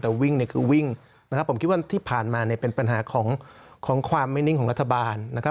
แต่วิ่งเนี่ยคือวิ่งนะครับผมคิดว่าที่ผ่านมาเนี่ยเป็นปัญหาของความไม่นิ่งของรัฐบาลนะครับ